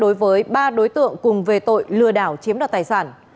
đối với ba đối tượng cùng về tội lừa đảo chiếm đoạt tài sản